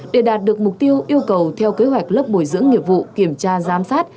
để đạt được mục tiêu yêu cầu theo kế hoạch lớp bồi dưỡng nghiệp vụ kiểm tra giám sát